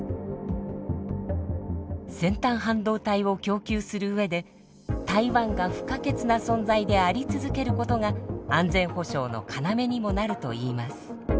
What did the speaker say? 先端半導体を供給する上で台湾が不可欠な存在であり続けることが安全保障の要にもなるといいます。